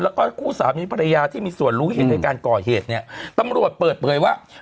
แล้วก็คู่สามีภรรยาที่มีส่วนรู้เห็นในการก่อเหตุเนี่ยตำรวจเปิดเผยว่า